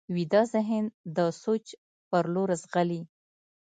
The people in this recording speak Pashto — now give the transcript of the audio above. ویده ذهن د سوچ پر لور ځغلي